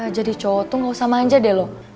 jadi cowok tuh gak usah manja deh lo